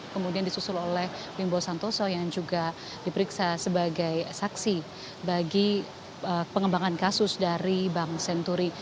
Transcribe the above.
kemudian disusul oleh wimbo santoso yang juga diperiksa sebagai saksi bagi pengembangan kasus dari bank senturi